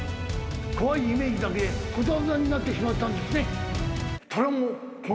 怖いイメージだけことわざになってしまったんですね。